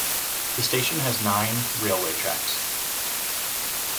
The station has nine railway tracks.